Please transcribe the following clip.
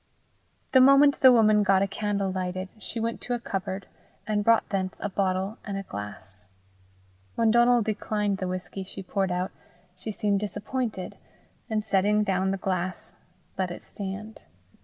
The moment the woman got a candle lighted, she went to a cupboard, and brought thence a bottle and a glass. When Donal declined the whisky she poured out, she seemed disappointed, and setting down the glass, let it stand.